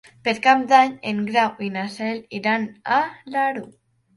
Per Cap d'Any en Grau i na Cel iran a Alaró.